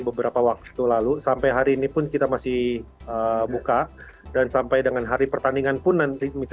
beberapa waktu lalu sampai hari ini pun kita masih buka dan sampai dengan hari pertandingan pun nanti